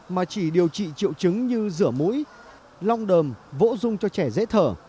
mà chỉ điều trị triệu chứng như rửa mũi long đờm vỗ dung cho trẻ dễ thở